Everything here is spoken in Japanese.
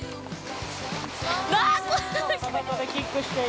◆わっ、怖い。